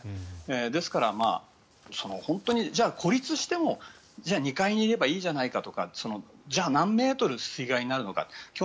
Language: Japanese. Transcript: ですから、本当に孤立しても２階にいればいいじゃないかとかじゃあ何メートル水害になるのかと。